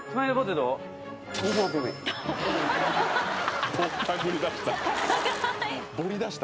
「ぼったくりだした。